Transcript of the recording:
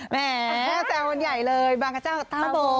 แหมแซมวนใหญ่เลยบางกระเจ้ากับต้าวโบ